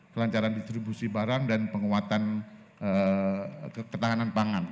kelancaran distribusi barang dan penguatan ketahanan pangan